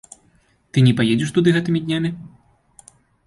Ты не паедзеш туды гэтымі днямі?